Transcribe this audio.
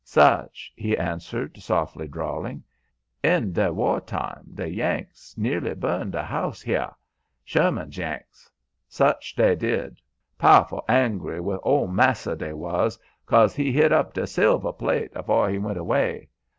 "Such," he answered, softly drawling. "In deh war time de Yanks nearly burn deh house heah Sherman's Yanks. Such dey did; po'ful angry wi' ol' massa dey was, 'cause he hid up deh silver plate afore he went away.